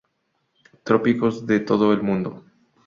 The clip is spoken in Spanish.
Trópicos de todo el mundo.